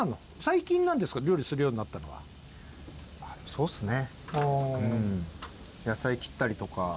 そうっすね